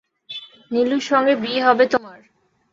নীলুর সঙ্গে বিয়ে হবে তোমার।